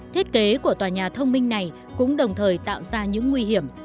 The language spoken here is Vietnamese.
thiết kế của tòa nhà thông minh này cũng đồng thời tạo ra những nguy hiểm